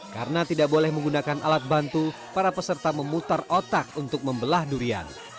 karena tidak boleh menggunakan alat bantu para peserta memutar otak untuk membelah durian